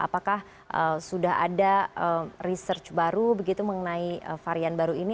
apakah sudah ada research baru begitu mengenai varian baru ini